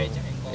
becak yang kore